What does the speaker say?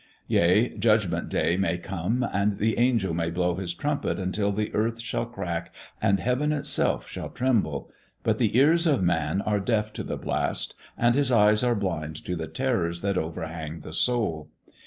Yea; judgment day may come and the angel may blow his trumpet until the earth shall crack and heaven itself shall tremble, but the ears of man are deaf to the blast and his eyes are blind to the terrors that overhang the soul.